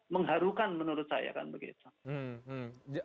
mengharukan menurut saya kan begitu